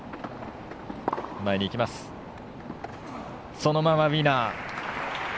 そのままウィナー。